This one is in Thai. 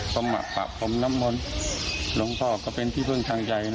ต้องมาปรับความน้ำมนต์หลวงพ่อก็เป็นที่เพิ่งทางใจ